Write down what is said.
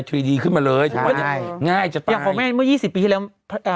ก็ซีริควนของหมอสมณ์ประดิษฐรัตน์อ่ะ